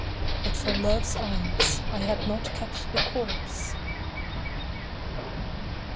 But for love's eyes, I had not kept the course.